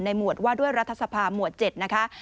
หมวดว่าด้วยรัฐสภาหมวด๗นะคะ